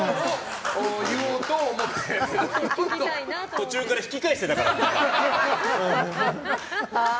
途中から引き返してたからね。